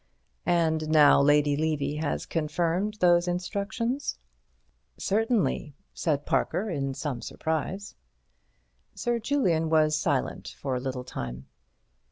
"And now Lady Levy has confirmed those instructions?" "Certainly," said Parker in some surprise. Sir Julian was silent for a little time.